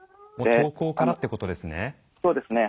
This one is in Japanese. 登校からっていうことですね。